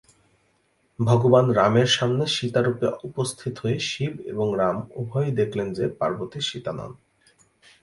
ভগবান রামের সামনে সীতা রূপে উপস্থিত হয়ে শিব এবং রাম উভয়েই দেখলেন যে পার্বতী সীতা নন।